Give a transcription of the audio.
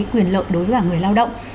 quyền lợi đối với người lao động